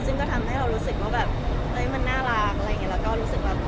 ซึ่งก็ทำให้เรารู้สึกว่าแบบเฮ้ยมันน่ารักอะไรอย่างนี้แล้วก็รู้สึกแบบ